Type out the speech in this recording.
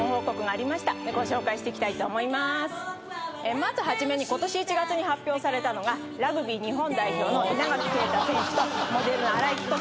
まず初めにことし１月に発表されたのがラグビー日本代表の稲垣啓太選手とモデルの新井貴子さん。